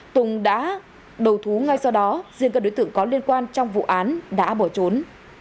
tùng đã đầu thú ngay sau đó riêng các đối tượng có liên quan trong vụ án đã bỏ trốn